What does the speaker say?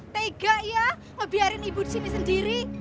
tega ya ngebiarin ibu disini sendiri